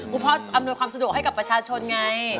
พ่ออำนวยความสะดวกให้กับประชาชนไง